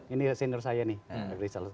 ini senior saya nih